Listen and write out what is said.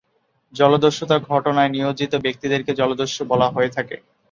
জলদস্যুতা ঘটনায় নিয়োজিত ব্যক্তিদেরকে জলদস্যু বলা হয়ে থাকে।